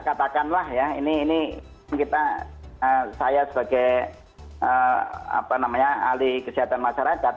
katakanlah ya ini kita saya sebagai alih kesehatan masyarakat